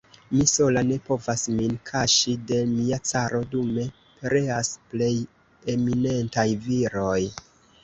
Mi sola ne povas min kaŝi de mia caro, dume pereas plej eminentaj viroj.